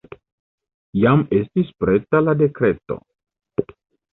Jam estis preta la dekreto.